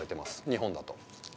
日本だと。